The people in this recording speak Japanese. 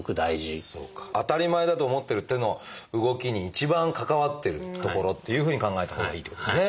当たり前だと思ってる手の動きに一番関わってる所っていうふうに考えたほうがいいってことですね。